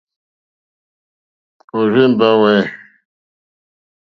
Òrzèmbá hwɛ̂.